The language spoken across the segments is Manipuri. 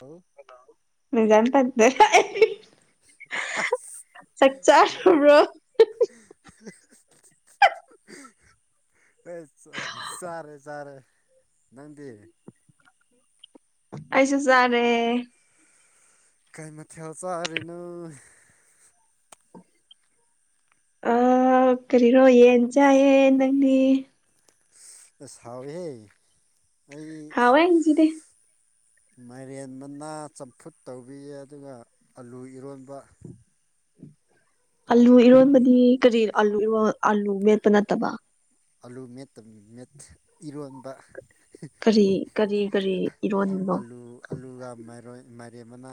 ꯍꯥꯎ ꯖꯥꯟ ꯇꯥꯗ ꯑꯁ ꯆꯥꯛꯆꯥꯥꯕ꯭ꯔꯣ [unintelligible] ꯑꯦ ꯆꯥꯔꯦ ꯆꯥꯔꯦ ꯅꯪꯗꯤ ꯑꯦꯁꯨ ꯆꯥꯔꯦ ꯀꯥꯏ ꯃꯊꯦꯜ ꯆꯥꯔꯤꯅ ꯑ ꯀꯔꯤꯔꯣ ꯌꯦꯟ ꯆꯥꯏꯌꯦ ꯅꯪꯒꯤ ꯑꯥꯁ ꯍꯥꯎꯋꯤ ꯍꯦ ꯑꯩ ꯍꯥꯎꯋꯦ ꯉꯁꯤꯗꯤ ꯃꯥꯏꯔꯦꯟ ꯃꯅꯥ ꯆꯝꯐꯨꯠ ꯇꯧꯕꯤ ꯑꯗꯨꯒ ꯑꯂꯨ ꯏꯔꯣꯟꯕ ꯇꯧꯋꯦ ꯑꯥꯂꯨ ꯏꯔꯣꯟꯕꯗꯤ ꯀꯔꯤ ꯑꯂꯨ ꯑꯥꯂꯨ ꯃꯦꯠꯄ ꯅꯠꯇꯕ ꯑꯂꯨ ꯃꯦꯠꯇ ꯏꯔꯣꯟꯕ ꯀꯔꯤ ꯀꯔꯤ ꯀꯔꯤ ꯏꯔꯣꯟꯅꯣ ꯑꯂꯨꯒꯔꯣꯏ ꯃꯥꯏꯔꯦꯝ ꯃꯅ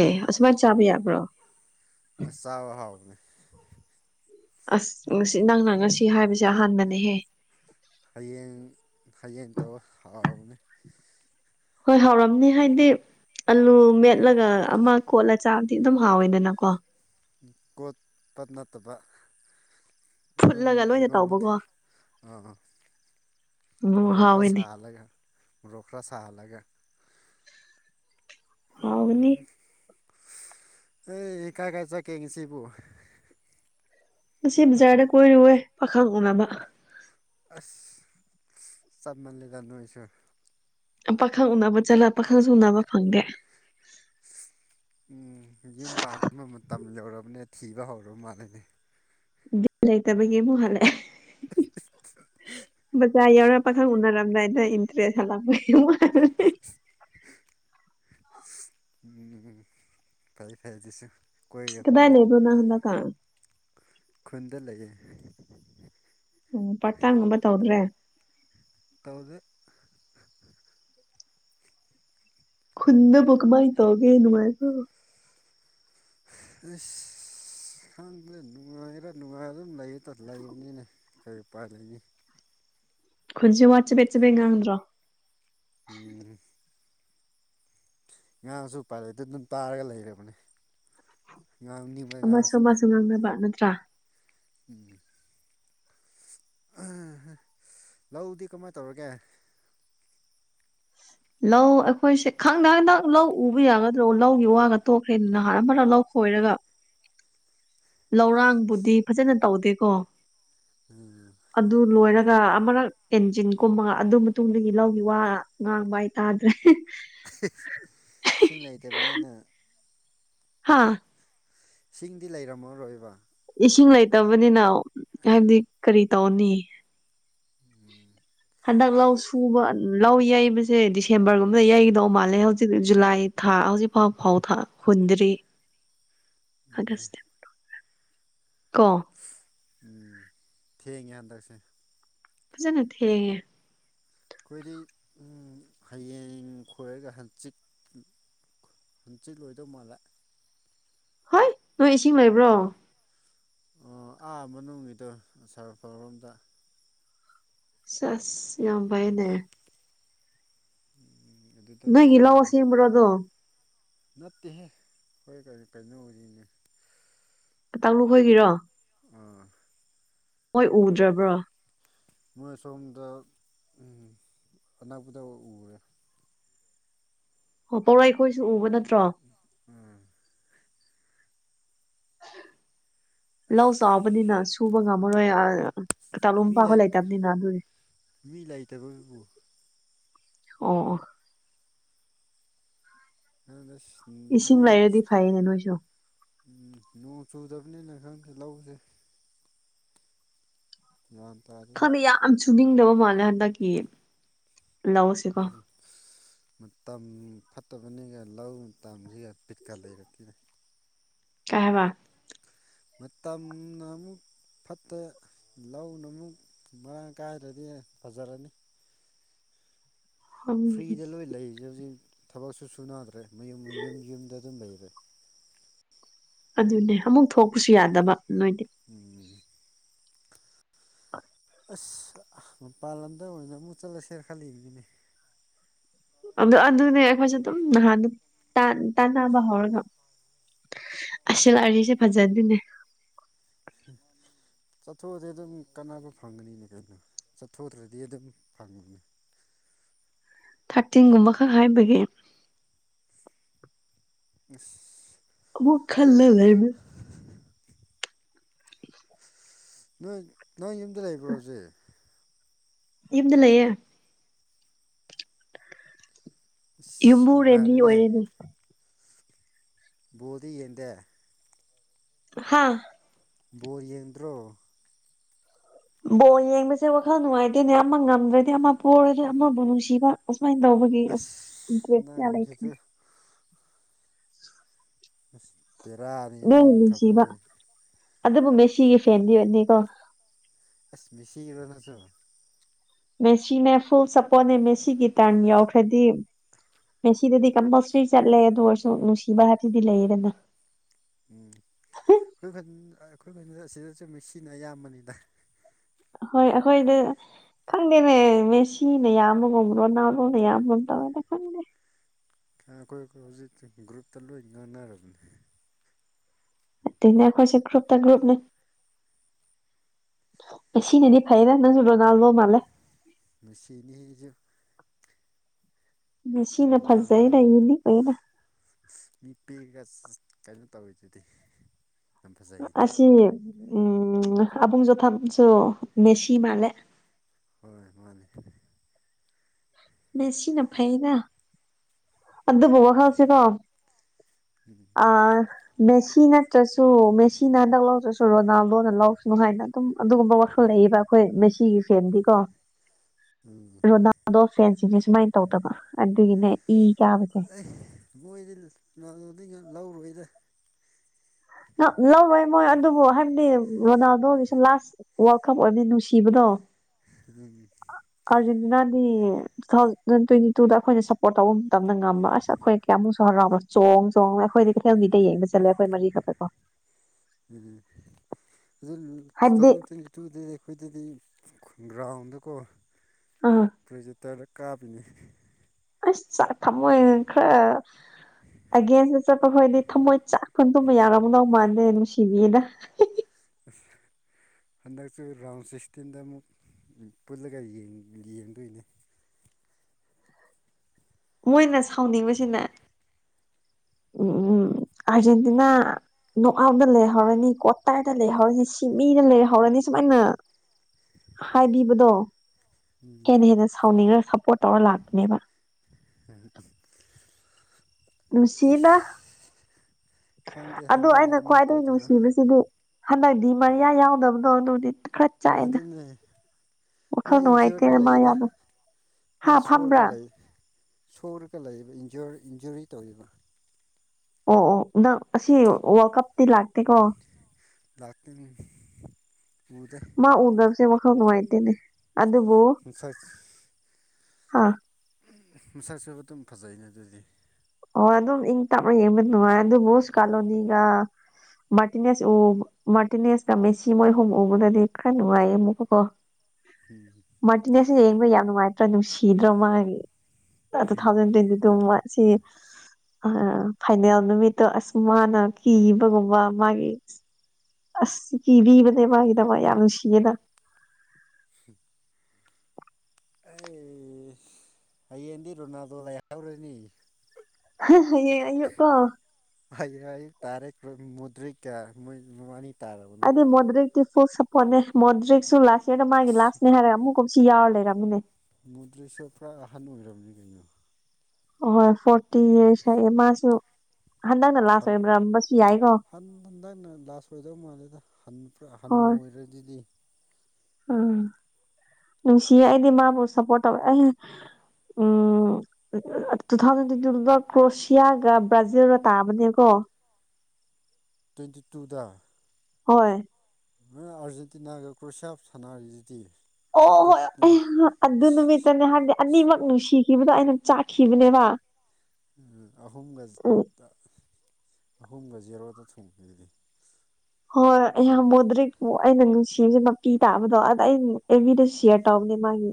ꯑꯦ ꯑꯁꯨꯃꯥꯏꯅ ꯆꯥꯕ ꯌꯥꯕ꯭ꯔꯣ ꯑꯁ ꯆꯥꯎꯕ ꯍꯥꯎꯕꯅꯦ ꯑꯁ ꯉꯁꯤ ꯅꯪꯅ ꯉꯁꯤ ꯍꯥꯏꯕꯁꯦ ꯑꯍꯥꯟꯕꯅꯦꯍꯦ ꯍꯌꯦꯡ ꯍꯌꯦꯡ ꯇꯧꯔ ꯍꯥꯎꯕꯅꯤ ꯍꯣꯏ ꯍꯥꯎꯔꯝꯅꯤ ꯍꯥꯏꯗꯤ ꯑꯥꯂꯨ ꯃꯦꯠꯂꯒ ꯑꯃ ꯀꯣꯠꯂ ꯆꯥꯕꯗꯤ ꯑꯗꯨꯝ ꯍꯥꯎꯋꯦꯗꯅꯀꯣ ꯀꯣꯄ ꯅꯠꯇꯕ ꯑꯗꯨꯝ ꯐꯨꯠꯂꯒ ꯂꯣꯏꯅ ꯢꯔꯣꯟꯕ ꯇꯧꯕꯀꯣ ꯑ ꯎꯝ ꯃꯣꯔꯣꯛ ꯈ꯭ꯔꯥ ꯍꯥꯎꯋꯦꯅꯦ ꯁꯥꯍꯂꯒꯦ ꯃꯣꯔꯣꯛ ꯈ꯭ꯔꯥ ꯁꯥꯍꯂꯒꯦ ꯍꯥꯎꯕꯅꯤ ꯑꯩ ꯀꯥꯏ ꯀꯥꯏ ꯆꯠꯀꯦꯁꯤꯕꯨꯣ ꯄꯁꯤ ꯖꯔꯗ ꯀꯣꯏꯔꯨꯋꯦ ꯄꯥꯈꯥ ꯅꯕ ꯑꯁ ꯆꯞ ꯃꯜꯂꯦꯗ ꯅꯣꯏꯁꯨ ꯄꯥꯈꯪ ꯎꯅꯕ ꯆꯠꯂ ꯄꯥꯈꯪꯁꯨ ꯎꯅꯕ ꯐꯪꯗꯦ ꯎꯝ ꯌꯨꯝ ꯄꯥꯟꯕ ꯃꯇꯝ ꯌꯧꯔꯕꯅꯦ ꯊꯤꯕ ꯍꯧꯔꯕ ꯃꯥꯜꯂꯦꯅꯦ ꯂꯩꯇꯕꯒꯤꯕꯨꯣ ꯍꯥꯂꯦ ꯕꯖꯥ ꯌꯥꯎꯔꯛꯄꯥꯈꯛ ꯎꯅꯔꯝꯗꯥꯏꯗ ꯏꯟꯇꯔꯦꯁ ꯍꯜꯂꯛꯄꯩ ꯎ ꯐꯥꯏ ꯐꯥꯏꯗꯤꯁꯨ [unintelligible] ꯀꯗꯥꯏ ꯂꯩꯕꯣ ꯅꯪ ꯍꯟꯗꯛ ꯀꯥꯟ ꯈꯨꯟꯗ ꯂꯩꯌꯦ ꯑꯣ ꯄꯇꯥꯟꯒꯨꯝꯕ ꯇꯧꯗ꯭ꯔꯦ ꯇꯗꯤ ꯈꯨꯟ ꯒ ꯃꯥꯥꯏ ꯇꯒꯦ ꯅꯨꯅꯨꯡꯉꯥꯏꯕ ꯑꯁ ꯈꯪꯕꯗ ꯅꯨꯡꯉꯥꯏꯔꯥ ꯅꯨꯡꯉꯥꯏꯔ ꯑꯗꯨꯝ ꯂꯩ ꯂꯩꯕꯅꯤꯅ ꯀꯣꯏ ꯄꯥꯏ ꯂꯩꯅꯤ ꯈꯨꯟꯁꯨꯦ ꯋꯥꯠ ꯆꯦꯠ ꯆꯦꯄꯦꯠ ꯉꯥꯡꯗ꯭ꯔꯣ ꯎꯝ ꯉꯥꯡꯁꯨ ꯄꯥꯏꯂꯦꯠꯇꯨ ꯑꯗꯨꯝ ꯇꯥꯔꯒ ꯂꯩꯔꯕꯅꯦ ꯉꯥꯡꯅꯤ ꯑꯃꯁꯨ ꯑꯃꯁꯨ ꯉꯥꯡꯅꯕ ꯅꯠꯇ꯭ꯔꯥ ꯎꯝ ꯂꯧꯗꯤ ꯀꯃꯥꯏꯅ ꯇꯧꯔꯒꯦ ꯂꯧ ꯑꯩꯈꯣꯏꯁꯦ ꯈꯪꯗꯟ ꯅꯪ ꯂꯧ ꯎꯕ ꯌꯥꯒꯗ꯭ꯔꯣ ꯂꯧꯒꯤ ꯋꯥꯒ ꯇꯣꯛꯈ꯭ꯔꯦꯅ ꯅꯍꯥꯟ ꯍꯔ ꯂꯧ ꯁꯣꯏꯔꯒ ꯂꯧꯔꯥꯡꯕꯨꯗꯤ ꯐꯖꯅ ꯇꯧꯗꯦꯀꯣ ꯎꯝ ꯑꯗꯨ ꯂꯣꯏꯔꯒ ꯑꯃꯔꯛ ꯑꯦꯟꯖꯤꯟꯒꯨꯝꯕꯒ ꯑꯗꯨ ꯃꯇꯨꯡꯗꯒꯤ ꯂꯧꯒꯤ ꯋꯥ ꯉ ꯥꯏ ꯇꯥꯗ꯭ꯔꯦ ꯁꯤꯡ ꯂꯩꯇꯕꯅꯤꯅ ꯍꯥꯥ ꯁꯤꯡꯗꯤ ꯂꯩꯔꯝꯃꯔꯣꯏꯕ ꯏꯁꯤꯡ ꯂꯩꯇꯕꯅꯤꯅ ꯍꯥꯏꯕꯗꯤ ꯀꯔꯤ ꯇꯧꯅꯤ ꯎꯝ ꯍꯟꯗꯛ ꯂꯧ ꯁꯨꯕ ꯂꯧ ꯌꯩꯕꯁꯦ ꯗꯤꯁꯦꯝꯕꯔꯒꯨꯝꯕꯗ ꯌꯩꯒꯗꯧ ꯃꯥꯜꯂꯦ ꯍꯧꯖꯤꯛꯇꯤ ꯖꯨꯂꯥꯏ ꯊꯥ ꯍꯧꯖꯤꯛꯐꯥꯎ ꯐꯥꯎ ꯍꯨꯟꯗ꯭ꯔꯤ ꯑꯗꯨꯅꯦ ꯀꯣ ꯎꯝ ꯊꯦꯡꯒ ꯍꯟꯗꯛꯁꯦ ꯐꯖꯅ ꯊꯦꯡꯉꯦ ꯑꯩꯈꯣꯏꯗꯤ ꯍꯌꯦꯡ ꯈꯣꯏꯔꯒ ꯍꯥꯟꯆꯤꯛ ꯍꯟꯆꯤꯠ ꯂꯣꯏꯗꯧ ꯃꯥꯜꯂꯦ ꯍꯣꯏ ꯅꯣꯏ ꯏꯁꯤꯡ ꯂꯩꯕ꯭ꯔꯣ ꯑꯣ ꯑꯥ ꯃꯅꯨꯡꯒꯤꯗꯣ ꯑꯁꯥꯔꯐꯥꯎꯔꯣꯝꯗ ꯑꯁ ꯌꯥꯝ ꯐꯥꯏꯅꯦ ꯎꯝ ꯑꯗꯨꯗ ꯇꯧꯔꯕꯅꯦ ꯄꯨ꯭ꯔꯗꯣ ꯅꯠꯇꯦꯍꯦ ꯍꯣꯏ ꯀꯩꯅꯣ ꯑꯣꯏꯔꯤꯅꯦ ꯇꯥꯡꯨ ꯍꯣꯏꯒꯤꯔꯣ ꯎ ꯍꯣꯏ ꯎꯗ꯭ꯔꯕ꯭ꯔꯣ ꯃꯣꯏ ꯁꯣꯝꯗ ꯑꯅꯛꯄꯗ ꯎꯔꯦ ꯑꯣ ꯄꯧꯔꯥ ꯑꯩꯈꯣꯏꯁꯨ ꯎꯕ ꯅꯠꯇ꯭ꯔꯣ ꯎꯝ ꯂꯧ ꯑꯁ ꯆꯥꯎꯕꯅꯤꯅ ꯁꯨꯕ ꯉꯝꯃꯔꯣꯏ ꯇꯥꯂꯣꯝ ꯃꯤ ꯄꯥꯕ ꯂꯩ ꯂꯩꯇꯕꯅꯤꯅ ꯑꯗꯨꯗꯤ ꯃꯤ ꯂꯩꯇꯕꯕꯨ ꯑꯣ ꯑꯣ ꯑ [inaudible] ꯏꯁꯤꯡ ꯂꯩꯔꯗꯤ ꯐꯩꯅꯦ ꯅꯣꯏꯁꯨ ꯎꯝ ꯅꯣꯡ ꯆꯨꯗꯕꯅꯤꯅ ꯈꯪꯗꯦ ꯂꯧꯁꯦ ꯒꯌꯥꯟ ꯇꯥꯗꯦꯗ ꯈꯪꯗꯦ ꯌꯥꯝ ꯁꯨꯅꯤꯡꯗꯕ ꯃꯥꯜꯂꯦ ꯍꯟꯗꯛꯀꯤ ꯂꯧꯁꯤꯀꯣ ꯃꯇꯝ ꯐꯠꯇꯕꯅꯤꯒ ꯂꯧ ꯃꯇꯝꯁꯤꯒ ꯚꯤꯠꯀ ꯂꯩꯔꯛꯇꯦꯗ ꯀ ꯍꯥꯢꯕ ꯃꯇꯝ ꯅ ꯑꯃꯨꯛ ꯐꯠꯇ ꯂꯧꯅ ꯑꯃꯨꯛ ꯃꯔꯥꯡ ꯀꯥꯏꯗꯔꯗꯤ ꯐꯖꯔꯅꯤ [inaudible] ꯐ꯭ꯔꯤꯗ ꯂꯣꯏ ꯂꯩꯔꯤꯁꯦ ꯍꯧꯖꯤꯛ ꯊꯕꯛꯁꯨ ꯁꯨꯅꯗ꯭ꯔꯦ ꯃꯌꯨꯝ ꯌꯨꯝ ꯌꯨꯝꯗ ꯑꯗꯨꯝ ꯂꯩꯔꯦ ꯑꯗꯨꯅꯦ ꯑꯃꯨꯛ ꯊꯣꯛꯄꯁꯨ ꯌꯥꯗꯕ ꯅꯣꯏꯗꯤ ꯎꯝ ꯑꯁ ꯃꯄꯥꯟ ꯂꯝꯗ ꯑꯣꯏꯅ ꯑꯃꯨꯛ ꯆꯠꯂꯁꯦꯔꯥ ꯈꯜꯂꯤꯕꯅꯤꯅꯦ ꯑꯗꯨ ꯑꯗꯨꯅꯦ ꯑꯩꯈꯣꯏꯁꯨ ꯑꯗꯨꯝ ꯅꯍꯥꯟꯗꯨ ꯇꯥꯟ ꯇꯥꯟꯅꯕ ꯍꯧꯔꯒ ꯑꯁ [unintelligible] ꯐꯖꯗꯤꯅꯦ ꯍꯝ ꯆꯠꯊꯣꯛꯑꯗꯤ ꯑꯗꯨꯝ ꯀꯥꯟꯅꯕ ꯐꯪꯒꯅꯤꯅ ꯀꯩꯅꯣ ꯆꯠꯊꯣꯛꯗ꯭ꯔꯗꯤ ꯑꯗꯨꯝ ꯐꯪꯕꯅꯤ ꯊꯥꯔꯇꯤꯟꯒꯨꯝꯕ ꯈꯛ ꯍꯥꯏꯕꯒꯤ ꯏꯁ ꯑꯃꯨꯛ ꯈꯜꯂꯒ ꯂꯩꯕꯅꯦ ꯅꯣꯏ ꯅꯣꯏ ꯌꯨꯝꯗ ꯂꯩꯕ꯭ꯔꯣ ꯍꯧꯖꯤꯛ ꯌꯨꯝꯗ ꯂꯩꯌꯦ ꯑꯁ ꯌꯨꯝꯕꯨ ꯔꯦꯟꯗꯤ ꯅꯨꯡꯉꯥꯏꯔꯦꯅꯦ ꯑꯣꯏꯔꯦꯅꯦ ꯕꯣꯜꯗꯤ ꯌꯦꯡꯗꯦ ꯍꯥꯥ ꯕꯣꯜ ꯌꯦꯡꯗ꯭ꯔꯣ ꯕꯣꯜ ꯌꯦꯡꯕꯁꯦ ꯋꯥꯈꯜ ꯅꯨꯡꯉꯥꯏꯇꯦꯅꯦ ꯑꯃ ꯉꯝꯗ꯭ꯔꯗꯤ ꯑꯃ ꯄꯣꯔꯗꯤ ꯑꯃꯕꯨ ꯅꯨꯡꯁꯤꯕ ꯑꯁꯨꯃꯥꯏꯅ ꯇꯧꯕꯒꯤ ꯑꯁ ꯏꯟꯇꯔꯦꯁ ꯀꯌꯥ ꯂꯩꯇꯦ ꯅꯪꯁꯤꯁꯨ [inaudible] ꯑꯁ ꯕꯦꯔꯥꯅꯤꯍꯦ ꯅꯣꯏ ꯅꯪꯒꯤ ꯅꯨꯡꯁꯤꯕ ꯊꯝꯃꯣꯏꯁꯦ ꯑꯗꯨꯕꯨ ꯃꯦ ꯁꯤꯒꯤ ꯐꯦꯟꯗꯤꯅꯦꯀꯣ ꯑꯦꯁ ꯃꯦꯁꯤꯔꯣ ꯅꯪꯁꯨ ꯃꯦꯁꯤꯅꯦ ꯐꯨꯜ ꯁꯞꯄꯣꯔꯠꯅꯦ ꯃꯦꯁꯤ ꯒꯤ ꯇꯔꯟ ꯌꯥꯎꯈ꯭ꯔꯗꯤ [inaudible] ꯃꯦꯁꯤꯗꯗꯤ ꯀꯝꯄꯜꯁꯔꯤ ꯆꯠꯂꯦ ꯑꯗꯨ ꯑꯣꯏꯔꯁꯨ ꯅꯨꯡꯁꯤꯕ ꯍꯥꯏꯕꯗꯨꯗꯤ ꯂꯩꯌꯦꯗꯅꯥ ꯎꯝ ꯑꯩꯈꯣꯏ ꯈꯨꯟ ꯑꯩꯈꯣꯏ ꯈꯨꯟꯗꯁꯨ ꯑꯁꯤꯗꯁꯨ ꯃꯦꯁꯤꯅ ꯑꯌꯥꯝꯕꯅꯤꯗ ꯍꯣꯏ ꯑꯩꯈꯣꯏꯗ ꯈꯪꯗꯦꯅꯦ ꯃꯦꯁꯤꯅ ꯌꯥꯝꯕꯒꯨꯝ ꯔꯣꯅꯥꯜꯗꯣꯅ ꯌꯥꯝꯕꯒꯨꯝ ꯇꯧꯑꯩ ꯈꯪꯗꯦꯗꯥ ꯑꯥ ꯑꯩꯈꯣꯏ ꯑꯩꯈꯣꯏ ꯍꯧꯖꯤꯛ ꯒ꯭ꯔꯨꯞꯇ ꯂꯣꯏ ꯉꯥꯡꯅꯔꯕꯅꯦ ꯅꯠꯇꯦꯅꯦ ꯑꯩꯈꯣꯏꯁꯦ ꯒ꯭ꯔꯨꯞꯇ ꯒ꯭ꯔꯨꯞꯅꯤ ꯁꯤꯅꯗꯤ ꯐꯩꯗꯥ ꯅꯪꯁꯨ ꯔꯣꯅꯥꯜꯗꯣ ꯃꯥꯜꯂꯦ ꯃꯁꯤꯁꯤꯅꯤꯍꯦ ꯑꯩꯁꯨ ꯃꯦꯁꯤꯅ ꯐꯖꯩꯗ ꯔꯣꯅꯥꯜꯗꯣꯗꯨ ꯌꯨꯅꯤꯛ ꯑꯣꯏꯌꯦꯗ ꯃꯤ ꯄꯤꯛꯔꯒ ꯀꯩꯅꯣ ꯇꯧꯔꯤꯗꯨꯗꯤ ꯑꯁꯤ ꯎ ꯑꯕꯨꯡ [unintelligible] ꯃꯦꯁꯤ ꯃꯥꯜꯂꯦ ꯍꯣꯏ ꯃꯥꯅꯤ ꯃꯦꯁꯤꯅ ꯐꯩꯗꯥ ꯑꯗꯨꯕꯨ ꯋꯥꯈꯜꯁꯦꯀꯣ ꯎꯝ ꯑ ꯃꯦꯁꯤ ꯅꯠꯇ꯭ꯔꯁꯨ ꯃꯦꯁꯤꯅ ꯍꯟꯗꯛ ꯂꯧꯗ꯭ꯔꯁꯨ ꯔꯣꯅꯥꯜꯗꯣꯅ ꯂꯧꯁꯅꯨ ꯍꯥꯏꯅ ꯑꯗꯨꯝ ꯑꯗꯨꯒꯨꯝꯕ ꯋꯥꯈꯜ ꯂꯩꯌꯦꯕ ꯍꯣꯏ ꯃꯦꯁꯤꯒꯤ ꯐꯦꯟꯗꯤꯀꯣ ꯎꯝ ꯔꯣꯅꯥꯜꯗꯣ ꯐꯦꯟꯁꯤꯡꯁꯦ ꯁꯨꯃꯥꯏꯅ ꯇꯧꯗꯕ ꯑꯗꯨꯒꯤꯅꯦ ꯏ ꯀꯥꯕꯁꯦ ꯑꯩ ꯃꯣꯏꯗꯤ ꯇꯣꯅꯥꯜꯗꯣꯗꯤ ꯂꯧꯔꯣꯏꯗ ꯂꯧꯔꯣꯏ ꯃꯣꯏ ꯑꯗꯨꯕꯨ ꯍꯥꯏꯕꯗꯤ ꯔꯣꯅꯥꯗꯣꯒꯤꯁꯨ ꯂꯥꯁ ꯋꯥꯔꯜꯀꯞ ꯑꯣꯏꯕꯅꯤ ꯅꯨꯡꯁꯤꯕꯗꯣ [unintelligible] ꯑꯥꯔꯖꯦꯟꯇꯤꯅꯥꯗꯤ ꯇꯨꯊꯥꯎꯖꯟ ꯇ꯭ꯋꯦꯟꯇꯤꯇꯨꯗ ꯑꯩꯈꯣꯏꯅ ꯁꯞꯄꯣꯔꯠ ꯇꯧꯕ ꯇꯝꯅ ꯉꯝꯕ ꯑꯁ ꯑꯩꯈꯣꯏ ꯀꯌꯥꯃꯨꯛꯁꯨ ꯍꯔꯥꯎꯕ ꯆꯣꯡ ꯆꯣꯡ ꯑꯩꯈꯣꯏꯗꯤ ꯀꯩꯊꯦꯜꯒꯤꯗ ꯌꯦꯡꯕ ꯆꯠꯂꯦ ꯑꯩꯈꯣꯏ ꯃꯔꯤ ꯈꯛꯇ [unintelligible] ꯎꯝ ꯍꯥꯏꯕꯗꯤ ꯇꯨꯊꯥꯎꯖꯟ ꯇ꯭ꯋꯦꯟꯇꯤ ꯇꯨꯗꯤ ꯑꯩꯈꯣꯏꯗꯗꯤ ꯒ꯭ꯔꯥꯎꯟꯗꯀꯣ ꯑꯎꯝ ꯄ꯭ꯔꯣꯖꯦꯛꯇꯔꯗ ꯀꯥꯞꯄꯤꯅꯦ ꯏꯁ ꯆꯥꯛ ꯊꯝꯃꯣꯏꯒ ꯈꯔ ꯑꯒꯦꯟꯁꯇ ꯆꯠꯄ ꯈꯣꯏꯗꯤ ꯊꯃꯣꯏ ꯆꯥꯛ ꯈꯨꯟ ꯇꯨꯝꯕ ꯌꯥꯔꯝꯗꯧ ꯃꯥꯟꯗꯦ ꯅꯨꯡꯁꯤꯕꯤꯌꯦꯅ [inaudible] ꯍꯟꯗꯛꯁꯨ ꯔꯥꯎꯟ ꯁꯤꯛꯁꯇꯤꯟꯗ ꯑꯃꯨꯛ ꯄꯨꯜꯂꯒ ꯌꯦꯡ ꯌꯦꯡꯗꯣꯏꯅꯤ ꯃꯣꯏꯅ ꯁꯥꯎꯅꯤꯡꯕꯁꯤꯅ ꯎꯝ ꯎꯝ ꯑꯔꯖꯦꯟꯇꯤꯅꯥ ꯅꯣꯛꯑꯥꯎꯗ ꯂꯩꯍꯧꯔꯅꯤ ꯀ꯭ꯋꯥꯇꯔꯗ ꯂꯩꯍꯧꯔꯅꯤ ꯁꯤꯃꯤꯗ ꯂꯩꯍꯧ ꯍꯧꯔꯅꯤ ꯁꯨꯃꯥꯏꯅ ꯍꯥꯏꯕꯤꯕꯗꯣ ꯎꯝ ꯍꯦꯟꯅ ꯍꯦꯟꯅ ꯁꯥꯎꯅꯤꯡꯉ ꯁꯞꯄꯣꯔꯠ ꯇꯧꯔ ꯂꯥꯛꯄꯅꯦꯕ [unintelligible] ꯅꯨꯡꯁꯤꯌꯦꯗ ꯑꯩꯁ ꯈꯪꯗꯦ ꯑꯗꯣ ꯍꯟꯗꯛꯅ ꯑꯩꯅ ꯀꯃꯥꯏꯅ ꯈ꯭ꯋꯥꯏꯗꯒꯤ ꯇꯧꯗꯣꯏꯔꯣ ꯅꯨꯡꯁꯤꯕꯁꯤꯗꯤ ꯍꯟꯗꯛ ꯗꯤꯃꯔꯤꯌꯥ ꯌꯥꯎꯗꯕꯗꯣ ꯑꯗꯨꯗꯤ ꯈꯔ ꯆꯥꯛꯑꯦꯅ ꯑꯗꯨꯅꯦ ꯃꯥ ꯋꯥꯈꯜ ꯅꯨꯡꯉꯥꯏꯇꯦ ꯢꯟꯖꯔꯗ ꯃꯥ ꯂꯩꯗ ꯌꯥꯎꯗ ꯍꯥ ꯃꯥ ꯁꯣꯔꯒ ꯐꯝꯕ꯭ꯔꯥ ꯂꯩ ꯁꯣꯔꯒ ꯂꯩꯕ ꯏꯟꯖ꯭ꯌꯨꯔ ꯏꯟꯖꯨꯔꯤ ꯇꯧꯔꯤꯕ ꯑꯣ ꯑꯣ ꯅꯪ ꯑꯁꯤ ꯋꯥꯔꯜꯀꯞꯇꯤ ꯂꯥꯛꯇꯦꯀꯣ ꯂꯥꯛꯇ꯭ꯔꯤ ꯎꯗꯦ ꯃꯥ ꯎꯗꯕꯁꯦ ꯋꯥꯈꯜ ꯅꯨꯡꯉꯥꯏꯇꯦꯅꯦ ꯑꯗꯨꯕꯨ ꯃꯁꯛ ꯍꯥ ꯃꯁꯛꯁꯨ ꯑꯗꯨꯝ ꯐꯖꯩꯅꯦ ꯑꯗꯨꯗꯤ ꯑꯣ ꯑꯗꯨꯝ ꯏꯪ ꯇꯞꯔ ꯌꯦꯡꯕ ꯅꯨꯡꯉꯥꯏ ꯑꯗꯨꯕꯨ ꯏꯁꯀꯥꯂꯣꯅꯤꯒ ꯃꯥꯔꯇꯤꯅꯦꯁ ꯎ ꯃꯥꯔꯇꯤꯅꯦꯁꯀ ꯃꯦꯁꯤ ꯃꯣꯏꯍꯨꯝ ꯎꯕꯗꯗꯤ ꯈꯔ ꯅꯨꯡꯉꯥꯏꯌꯦ ꯑꯃꯨꯛꯀꯀꯣ [inaudible] ꯎꯝ ꯃꯥꯔꯇꯤꯅꯦꯁꯁꯦ ꯌꯦꯡꯕ ꯌꯥꯝ ꯅꯨꯡꯉꯥꯏꯇ꯭ꯔꯥ ꯅꯨꯡꯁꯤꯗ꯭ꯔꯥ ꯃꯥꯒꯤ ꯇꯨꯊꯥꯎꯖꯟ ꯇ꯭ꯋꯦꯟꯇꯤꯇꯨ ꯃꯥꯠꯆꯀꯤ ꯑ ꯐꯥꯏꯅꯦꯜ ꯅꯨꯃꯤꯠꯇꯣ ꯑꯁ ꯃꯥꯅ ꯀꯤꯕꯒꯨꯝꯕ ꯃꯥꯒꯤ ꯑꯁ ꯀꯤꯕꯤꯕꯅꯦ ꯃꯥꯒꯤꯗꯃꯛ ꯌꯥꯝ ꯅꯨꯡꯁꯤꯌꯦꯗ [unintelligible] ꯑꯩ ꯍꯌꯦꯡꯗꯤ ꯔꯣꯅꯥꯜꯗꯣ ꯂꯩꯍꯧꯔꯅꯤ [unintelligible] ꯍꯥꯌꯦꯡ ꯑꯌꯨꯛꯀꯣ ꯍꯌꯦꯡ ꯑꯌꯨꯛ ꯇꯥꯔꯦ [unintelligible] ꯃꯨꯗꯔꯤꯛꯀ ꯃꯣꯏꯕꯥꯅꯤ ꯇꯥꯔꯕꯅꯦ ꯑꯗꯨꯗꯤ ꯃꯣꯗ꯭ꯔꯤꯛꯇꯤ ꯐꯨꯜ ꯁꯞꯄꯣꯔꯠꯅꯦ ꯃꯣꯗ꯭ꯔꯤꯛꯁꯨ ꯂꯥꯁ ꯌꯔꯗ ꯃꯥꯒꯤ ꯑꯁ ꯂꯥꯁꯅꯦ ꯍꯥꯏꯔꯒ ꯑꯃꯨꯛ ꯀꯨꯝꯁꯤ ꯌꯥꯎꯔ ꯂꯩꯔꯝꯃꯤꯅꯦ ꯃꯨꯗ꯭ꯔꯤꯛꯁꯦ ꯄꯨꯔꯥ ꯑꯍꯜ ꯑꯣꯏꯔꯕꯅꯤ ꯀꯩꯅꯣ ꯍꯣꯏ ꯐꯣꯔꯇꯤ ꯌꯤꯔꯁ ꯍꯥꯏꯌꯦ ꯃꯥꯁꯨ ꯍꯟꯗꯛꯅ ꯂꯥꯁ ꯍꯟ ꯑꯣꯏꯔꯝꯕꯁꯨ ꯌꯥꯏꯀꯣ ꯍꯟ ꯍꯟꯗꯛꯅ ꯂꯥꯁ ꯑꯣꯏꯗꯧ ꯃꯥꯜꯂꯦꯗ ꯍꯟ ꯄꯨꯔꯥ ꯍꯟꯅꯨ ꯍꯣꯏ ꯑꯣꯏꯔꯦ ꯖꯤꯗꯤ ꯎꯝ ꯅꯨꯡꯁꯤꯌꯦ ꯑꯩꯗꯤ ꯃꯥꯕꯨ ꯁꯞꯄꯣꯔꯠ ꯇꯧꯋꯦ ꯑꯩ ꯎꯝ ꯇꯨꯊꯥꯎꯖꯟ ꯇ꯭ꯋꯦꯟꯇꯤꯇꯨꯗꯥ ꯀ꯭ꯔꯣꯁꯤꯌꯥꯒ ꯕ꯭ꯔꯥꯖꯤꯜꯒ ꯇꯥꯕꯅꯦꯀꯣ ꯇ꯭ꯋꯦꯟꯇꯤ ꯇꯨꯗ ꯍꯣꯏ ꯫ [unintelligible] ꯑꯥꯔꯖꯦꯟꯇꯤꯅꯥꯒ ꯀ꯭ꯔꯣꯁꯤꯌꯥ ꯁꯥꯟꯅꯔꯤꯁꯤꯗꯤ ꯑꯣ ꯑꯣ [unintelligible] ꯑꯗꯨ ꯅꯨꯃꯤꯠꯇꯅꯦ ꯍꯥꯏꯗꯤ ꯑꯅꯤꯃꯛ ꯅꯨꯡꯁꯤꯈꯤꯕꯗꯣ ꯑꯩꯅ ꯆꯥꯛꯈꯤꯕꯅꯦꯕ ꯑ ꯑꯍꯨꯝꯒ ꯎꯝ ꯑꯍꯨꯝꯒ ꯖꯦꯔꯣꯗ [unintelligible] ꯍꯣꯏ ꯑꯩꯌꯥ ꯃꯨꯗ꯭ꯔꯤꯛꯄꯨ ꯑꯩꯅ ꯅꯨꯡꯁꯤꯕꯁꯦ ꯃꯄꯤ ꯇꯥꯕꯗꯣ ꯑꯗ ꯑꯩ ꯑꯦꯕꯤꯗ ꯁꯤꯌꯔ ꯇꯧꯕꯅꯦ ꯃꯥꯒꯤ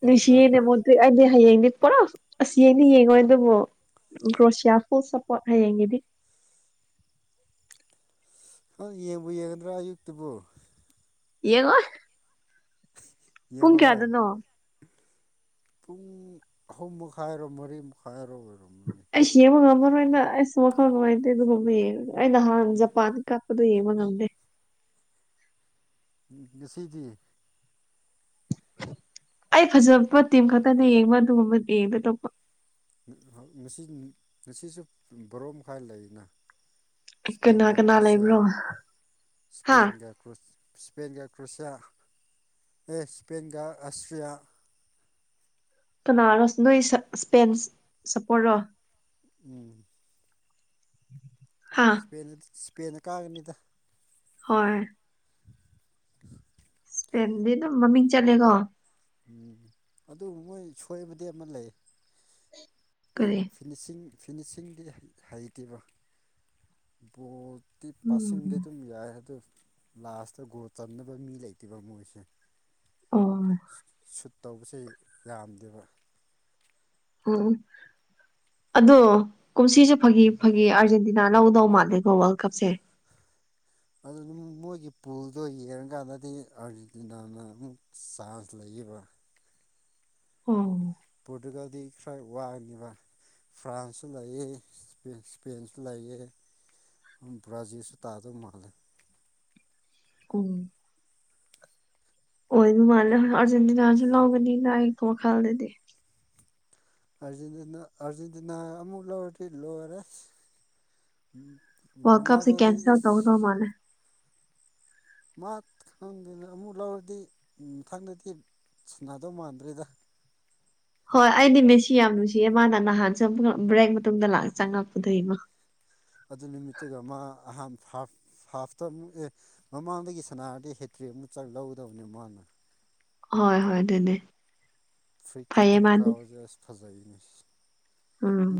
ꯇꯧ ꯇꯧ [unintelligible] ꯑꯗꯨ ꯑꯩꯗꯤ ꯍꯌꯦꯡꯗꯤ ꯄꯨꯔꯥ ꯑꯁꯤꯁ ꯌꯦꯡꯗ ꯌꯦꯡꯉꯣꯏ ꯑꯗꯨꯕꯨ ꯀ꯭ꯔꯣꯁꯤꯌꯥ ꯐꯨꯜ ꯁꯄꯣꯔꯠ ꯍꯌꯦꯡꯒꯤꯗꯤ ꯍ ꯌꯦꯡꯕꯨ ꯌꯦꯡꯒꯗ꯭ꯔꯥ ꯑꯌꯨꯛꯇꯨꯕꯨ ꯌꯦꯡꯉꯣꯏ [unintelligible] ꯌꯦꯡꯉꯣꯏ ꯄꯨꯡ ꯑꯍꯨꯝ ꯃꯈꯥꯏꯔꯣ ꯃꯔꯤ ꯃꯈꯥꯏꯔꯣ ꯑꯣꯏꯔꯝꯅꯤ ꯑꯩꯁ ꯌꯦꯡꯕ ꯉꯝꯃꯔꯣꯏꯅ ꯑꯩꯁꯨ ꯋꯥꯈꯜ ꯅꯨꯡꯉꯥꯏꯇꯦ ꯑꯗꯨꯒꯨꯝꯕ ꯌꯦꯡꯉꯒꯦ ꯑꯩ ꯅꯍꯥꯟ ꯖꯄꯥꯟ ꯀꯞꯄꯗꯨ ꯌꯦꯡꯕ ꯉꯝꯗꯦ ꯉꯁꯤꯗꯤ ꯑꯩ ꯐꯖꯕ ꯇꯤꯝ ꯈꯛꯇꯅꯦ ꯌꯦꯡꯕ ꯑꯗꯨꯒꯨꯝꯕ ꯌꯦꯡꯗꯦ ꯑꯇꯣꯞꯄ [unintelligible] ꯁꯤ ꯉꯁꯤꯁꯨ ꯕꯥꯔꯣ ꯃꯈꯥꯏ ꯂꯩꯅ ꯀꯅꯥ ꯁ꯭ꯄꯦꯟꯒ ꯀꯅꯥ ꯀ꯭ꯔꯣꯁꯤꯌꯥ ꯂꯩꯕ꯭ꯔꯣ ꯍꯥ ꯁ꯭ꯄꯦꯟꯒ ꯁ꯭ꯄꯦꯟꯒ ꯀ꯭ꯔꯣꯁꯤꯌꯥ ꯑꯦ ꯁ꯭ꯄꯦꯟꯒ ꯑꯁꯇ꯭ꯔꯤꯌꯥ ꯀꯅꯥꯔꯣ ꯅꯣꯏ ꯏꯁꯄꯦꯟ ꯆꯞꯄꯣꯠꯔꯣ ꯎꯝ ꯍꯥ ꯏꯁꯄꯦꯟ ꯏꯁꯄꯦꯟꯅ ꯀꯥꯒꯅꯤꯗ ꯍꯣꯏ ꯏꯁꯄꯦꯟꯗꯤ ꯑꯗꯨꯝ ꯃꯃꯤꯡ ꯆꯠꯂꯦꯀꯣ ꯎꯝ ꯑꯗꯨꯕꯨ ꯃꯣꯏ ꯁꯣꯏꯕꯗꯤ ꯑꯃ ꯂꯩ ꯃꯣꯏ ꯀꯔꯤ ꯐꯤꯅꯤꯁꯤꯡ ꯐꯤꯅꯤꯁꯤꯡꯗꯤ ꯍꯩꯇꯦꯕ ꯕꯣꯜ ꯇꯤ ꯄꯥꯁꯤꯡꯗꯤ ꯎꯝ ꯑꯗꯨꯝ ꯌꯥꯏ ꯑꯗꯨ ꯂꯥꯁꯇ ꯒꯣꯜ ꯆꯟꯅꯕ ꯃꯤ ꯂꯩꯇꯦꯕ ꯃꯣꯏꯁꯦ ꯑꯣ ꯁꯨꯠ ꯁꯨꯠ ꯇꯧꯕꯁꯦ ꯌꯥꯝꯗꯦꯕ ꯑꯣ ꯑꯗꯣ ꯀꯨꯝꯁꯤꯁꯨ ꯐꯥꯒꯤ ꯐꯥꯒꯤ ꯑꯥꯔꯖꯦꯟꯇ ꯀꯅꯅꯥ ꯂꯧꯗꯧ ꯃꯥꯜꯂꯦꯀꯣ ꯋꯥꯔꯜ ꯀꯞꯁꯦ ꯑꯗꯨꯝ ꯃꯣꯏꯒꯤ ꯄꯣꯜꯗꯣ ꯌꯦꯡꯉꯀꯥꯟꯗꯗꯤ ꯑꯥꯔꯖꯦꯟꯇꯤꯅꯥꯅ ꯑꯃꯨꯛ ꯆꯥꯟꯁ ꯂꯩꯌꯦꯕ ꯑꯣ ꯄꯣꯔꯇꯨꯒꯜꯗꯤ ꯈꯔ ꯋꯥꯡꯅꯤꯕ ꯐ꯭ꯔꯥꯟꯁꯁꯨ ꯂꯩꯌꯦ ꯢꯁꯄꯦꯟꯁꯨ ꯂꯩꯌꯦ ꯕ꯭ꯔꯥꯖꯤꯜꯁꯨ ꯇꯥꯗꯧ ꯃꯥꯜꯂꯦ ꯎ ꯑꯣꯏ ꯑꯗꯨ ꯃꯥꯜꯂꯦ ꯑꯥꯔꯖꯦꯟꯇꯤꯅꯥꯁꯨ ꯂꯧꯒꯅꯤꯅ ꯑꯩꯒꯤ ꯋꯈꯜꯗꯗꯤ ꯑꯔꯖꯦꯟꯇꯤꯅ ꯑꯥꯔꯖꯦꯟꯇꯤꯅꯥ ꯑꯃꯨꯛ ꯂꯧꯔꯗꯤ ꯂꯣꯏꯔꯦ ꯎ ꯋꯥꯔꯜ ꯀꯞꯁꯦ ꯔꯣꯅꯥꯜꯗꯣꯗꯤ ꯀꯦꯟꯁꯦꯜ ꯏꯁ ꯇꯧꯗꯧ ꯃꯥꯜꯂꯦ ꯃꯥ ꯈꯪꯗꯦꯅꯦ ꯑꯃꯨꯛ ꯂꯧꯔꯗꯤ ꯃꯊꯪꯗꯗꯤ ꯁꯅꯥꯗꯧ ꯃꯥꯟꯗ꯭ꯔꯦꯗ ꯍꯣꯏ ꯑꯩꯗꯤ ꯃꯦꯠꯁꯤ ꯌꯥꯝ ꯅꯨꯡꯁꯤꯌꯦ ꯃꯥꯅ ꯅꯍꯥꯟꯁꯨ ꯕ꯭ꯔꯦꯛ ꯃꯇꯨꯡꯗ ꯂꯛ ꯆꯪꯉꯛꯄꯗꯨꯒꯤꯒꯣ ꯑꯗꯨ ꯅꯨꯃꯤꯠꯇꯨꯒ ꯃꯥ ꯑꯍꯥꯟꯕ ꯍꯥꯐ ꯍꯥꯐꯇ ꯑꯃꯨꯛ ꯑꯦ ꯃꯃꯥꯡꯗꯒꯤ ꯁꯅꯥꯔꯗꯤ ꯍꯦꯇ꯭ꯔꯤ ꯑꯃꯨꯛ ꯆꯥꯛ ꯂꯧꯗꯕꯅꯦ ꯃꯥꯅ ꯍꯣꯏ ꯍꯣꯏ ꯑꯗꯨꯅꯦ ꯐ꯭ꯔꯤ ꯐꯩꯌꯦ ꯀꯤꯛꯇ ꯃꯥꯗꯤ ꯀꯥꯎꯕꯁꯦ ꯐꯖꯥꯏ ꯅꯦ ꯎꯝ